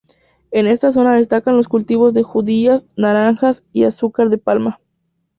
En esta zona destacan los cultivos de judías, naranjas y azúcar de palma.